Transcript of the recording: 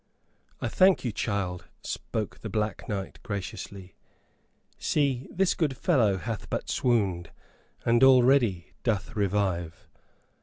"I thank you, child," spoke the Black Knight, graciously. "See, this good fellow hath but swooned and already doth revive.